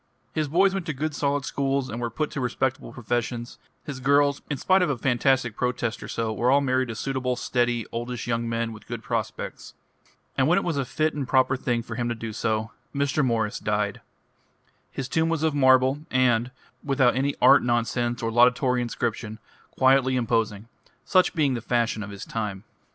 His boys went to good solid schools, and were put to respectable professions; his girls, in spite of a fantastic protest or so, were all married to suitable, steady, oldish young men with good prospects. And when it was a fit and proper thing for him to do so, Mr. Morris died. His tomb was of marble, and, without any art nonsense or laudatory inscription, quietly imposing such being the fashion of his time.